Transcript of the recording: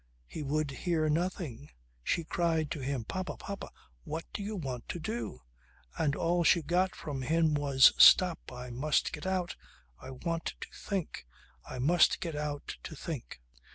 He would hear nothing. She cried to him "Papa! Papa! What do you want to do?" And all she got from him was: "Stop. I must get out. I want to think. I must get out to think."